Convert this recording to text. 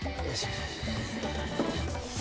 よし。